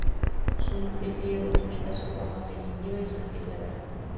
Su nombre griego explica su forma primitiva y su antigüedad.